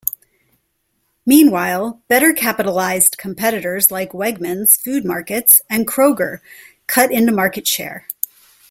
Meanwhile, better-capitalized competitors like Wegmans Food Markets and Kroger cut into market share.